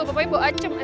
papanya bau acem